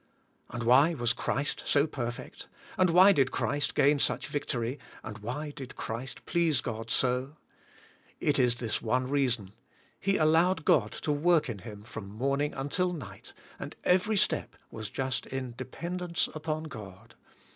And why was Christ so perfect, and why did Christ gain such victory, and why did Christ please God so ? It is this one reason. He allowed God to work in Him from morning until night, and every step was just in dependence upon God.